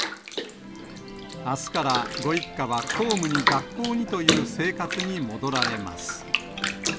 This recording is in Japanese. あすからご一家は公務に学校にという生活に戻られます。